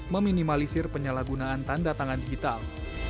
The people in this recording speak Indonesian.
meminimalisir penyalahgunaan tanda tangan digital